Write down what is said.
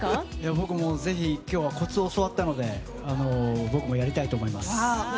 僕もぜひ今日はコツを教わったので僕もやりたいと思います。